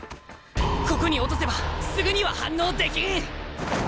ここに落とせばすぐには反応できん！